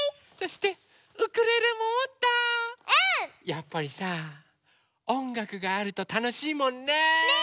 やっぱりさおんがくがあるとたのしいもんね！ね！